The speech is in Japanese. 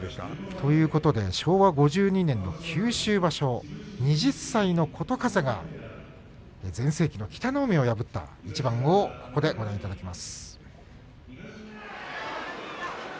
昭和５２年の九州場所２０歳の琴風が全盛期の北の湖を破った一番をご覧いただきます。